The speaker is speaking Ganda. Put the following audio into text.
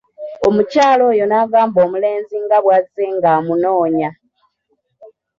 Omukyala oyo n'agamba omulenzi nga bwazze ng'amunoonya.